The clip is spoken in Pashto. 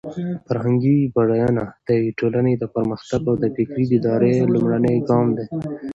فرهنګي بډاینه د یوې ټولنې د پرمختګ او د فکري بیدارۍ لومړنی ګام دی.